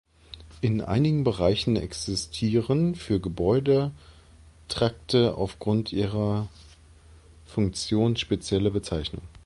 In einigen Bereichen existieren für Gebäudetrakte aufgrund ihrer Funktion spezielle Bezeichnungen.